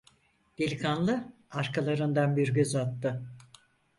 Delikanlı arkalarından bir göz attı.